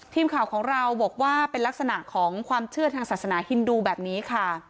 ทีมข่าวของเราบอกว่าเป็นลักษณะของความเชื่อทางศาสนาฮินดูแบบนี้ค่ะ